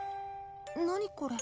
何これ？